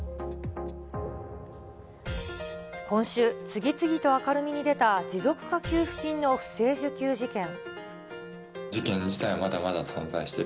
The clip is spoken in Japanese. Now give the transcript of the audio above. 今週、次々と明るみに出た持続化給付金の不正受給事件。